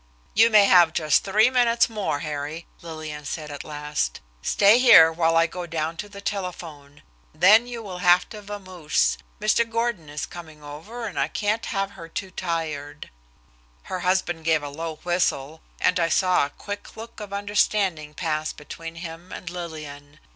"You may have just three minutes more, Harry," Lillian said at last. "Stay here while I go down to telephone. Then you will have to vamoose. Mr. Gordon is coming over, and I can't have her too tired." Her husband gave a low whistle, and I saw a quick look of understanding pass between him and Lillian.